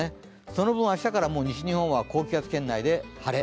その分、明日から西日本は高気圧圏内で晴れ。